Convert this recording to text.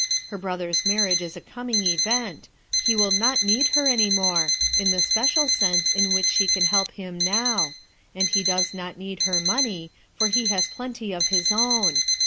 Her brother's marriage is a coming event; then he will not need her any more, in the special sense in which she can help him now, and ho docs not need her money, for he has plenty of his own.